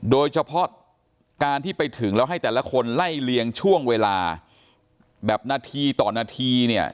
โดยเฉพาะการที่ไปถึงแล้วให้แต่ละคนไล่เลียงช่วงเวลาแบบนาทีต่อนาทีเนี่ย